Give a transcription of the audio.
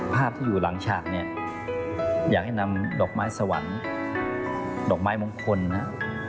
ภาพที่อยู่หลังฉากเนี่ยอยากให้นำดอกไม้สวรรค์ดอกไม้มงคลนะครับ